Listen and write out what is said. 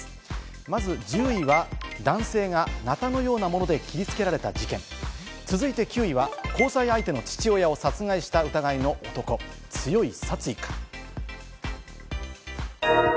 まず１０位は男性がナタのようなもので切りつけられた事件。続いて９位は交際相手の父親を殺害した疑いの男、強い殺意か。